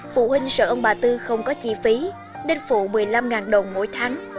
phụ huynh sợ ông bà tư không có chi phí nên phụ một mươi năm đồng mỗi tháng